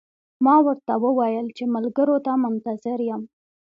ما ورته وویل چې ملګرو ته منتظر یم.